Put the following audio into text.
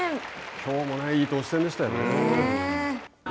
きょうもいい投手戦でしたよね。